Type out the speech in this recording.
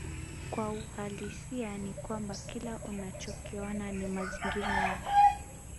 Kwa uhalisia ni kwamba kila unachokiona ni mazingira yako